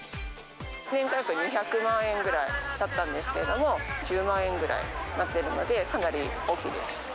年間２００万円ぐらいだったんですけど、１０万円ぐらいになっているので、かなり大きいです。